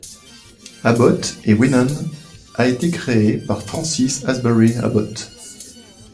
Abott et Winnan a été créée par Francis Asbury Abott.